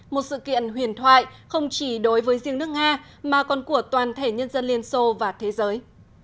một sự kiện huyền thoại không chỉ đối với riêng nước nga mà còn của toàn thể nhân dân liên xô và thế giới